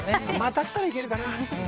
だったらいけるかな。